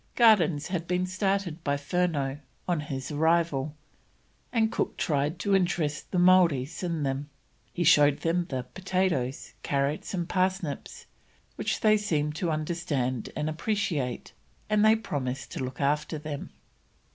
Gardens had been started by Furneaux on his arrival, and Cook tried to interest the Maoris in them; he showed them the potatoes, carrots, and parsnips, which they seemed to understand and appreciate, and they promised to look after them.